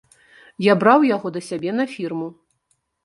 Я браў яго да сябе на фірму.